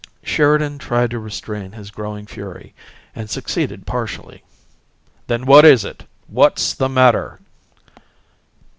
Sheridan tried to restrain his growing fury, and succeeded partially. "Then what is it? What's the matter?"